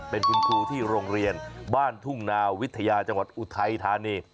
เป็นคุณครูที่โรงเรียนบ้านทุ่งนาวิทยาจังหวัดอุทัยธานี